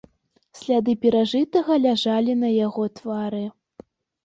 Сляды перажытага ляжалі на яго твары.